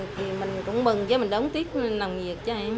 thì mình cũng mừng chứ mình đống tiếc làm việc cho em